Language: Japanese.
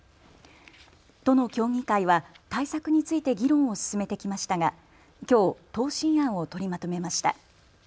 都の協議会は対策について議論を進めてきましたがきょう答申案を取りまとめました。